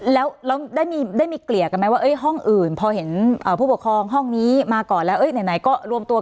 แล้วได้มีเกลียร์กันไหมว่า